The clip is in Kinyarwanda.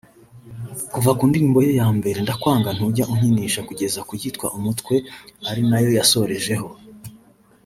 Kuva ku ndirimbo ye ya mbere ‘Ndakwanga’ ’Ntujya unkinisha’ kugeza ku yitwa ’Umutwe’ari nayo yasorejeho